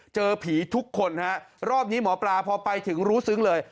เจอผีทุกคนฮะรอบนี้หมอปลาพอไปถึงรู้ซึ้งเลย